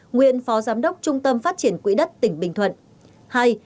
nguyên phó giám đốc trung tâm phát triển quỹ đất tỉnh bình thuận